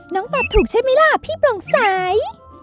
น้องตัวถูกใช่มั้ยล่ะพี่ปล่องใส